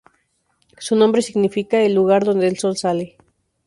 Su nombre significa ""el lugar donde el sol sale"".